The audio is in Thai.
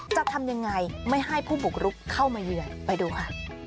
จะทำยังไงไม่ให้ผู้บุกรุกเข้ามาเยือนไปดูค่ะ